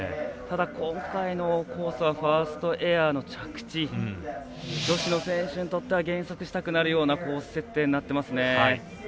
ただ、今回のコースはファーストエアの着地、女子の選手にとっては減速したくなるようなコース設定になってますね。